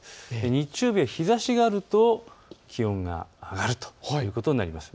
日曜日は日ざしがあると気温が上がるということになります。